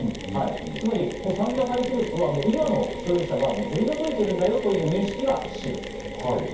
つまり産業廃棄物は今の所有者が取り除いているんだという認識が市です。